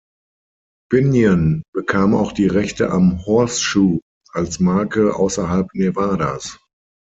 Binion bekam auch die Rechte am Horseshoe als Marke außerhalb Nevadas.